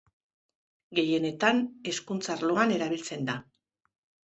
Gehienetan, hezkuntza arloan erabiltzen da.